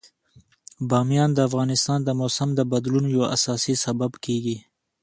بامیان د افغانستان د موسم د بدلون یو اساسي سبب کېږي.